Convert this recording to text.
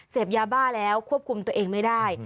เสพยาบ้าแล้วควบคุมตัวเองไม่ได้